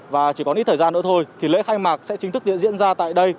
và chỉ có ít thời gian nữa thôi lễ khai mạc sẽ chính thức diễn ra tại đây